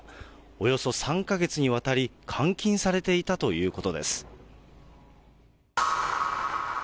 およそ３か月にわたり、監禁されていたということです。